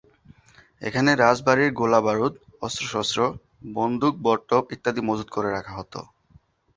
এখানে রাজবাড়ির গোলা-বারুদ, অস্ত্র-শস্ত্র, বন্দুক-বরটোপ ইত্যাদি মজুত করে রাখা হত।